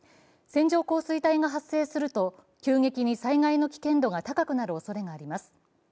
線状降水帯が発生すると急激に災害の危険度が高くなるおそれがあります。